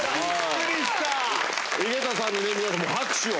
井桁さんに皆さんもう拍手を！